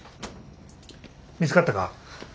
見つかったか？